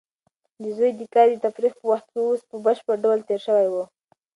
د زوی د کار د تفریح وخت اوس په بشپړ ډول تېر شوی و.